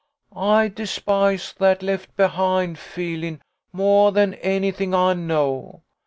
I despise that ' left behind ' feelin' moah than anything I know.